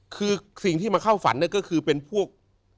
คือสิ่งที่มาเข้าฝันก็คือเป็นพวก